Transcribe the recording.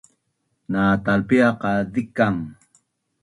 Na talpia qa zikang?